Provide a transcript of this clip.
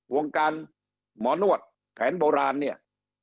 วงการหมอนวดแผนโบราณเนี่ย